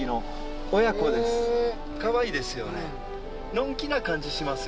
のんきな感じしますよね。